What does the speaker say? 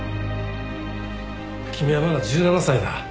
君はまだ１７歳だ。